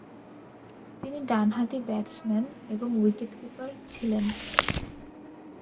তিনি ডানহাতি ব্যাটসম্যান এবং উইকেট কিপার ছিলেন।